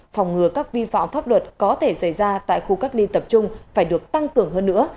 phòng ngừa các vi phạm pháp luật có thể xảy ra tại khu cách ly tập trung phải được tăng cường hơn nữa